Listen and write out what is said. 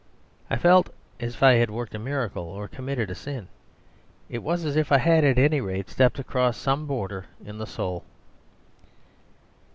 I felt as if I had worked a miracle or committed a sin. It was as if I had at any rate, stepped across some border in the soul.